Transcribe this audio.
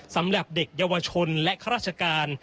สำหรับเด็กเยาวชนและข้าราชการ